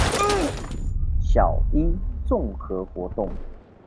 小一綜合活動